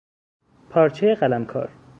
پارچهی قلمکار